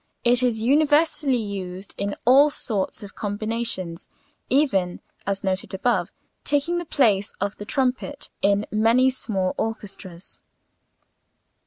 it is universally used in all sorts of combinations, even (as noted above) taking the place of the trumpet in many small orchestras.